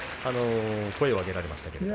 声を上げられましたけど。